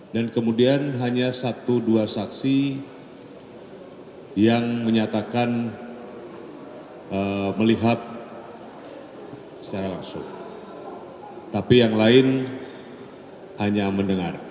dan kemudian hanya satu dua saksi yang menyatakan melihat secara langsung tapi yang lain hanya mendengar